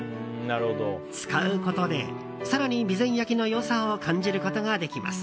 使うことで更に備前焼の良さを感じることができます。